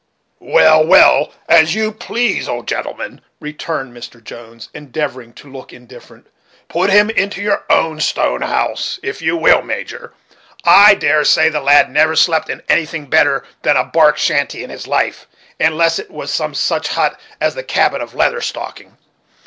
"Well, well, as you please, old gentleman," returned Mr. Jones, endeavoring to look indifferent; "put him into your own stone house, if you will, Major. I dare say the lad never slept in anything better than a bark shanty in his life, unless it was some such hut as the cabin of Leather Stocking.